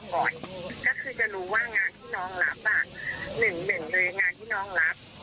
ก็คือจะรู้ว่างานที่น้องรับหนึ่งโดยงานที่น้องรับ